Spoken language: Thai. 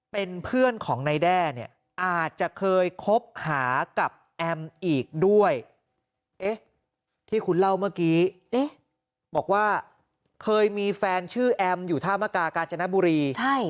เป็นเพื่อนของนายแด้เนี่ยอาจจะเคยคบหากับแอมอีกด้วยเอ๊ะที่คุณเล่าเมื่อกี้บอกว่าเคยมีแฟนชื่อแอมอยู่ท่ามกากาญจนบุรี